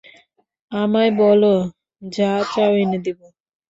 আমায় বলো, যা চাও এনে দেবো।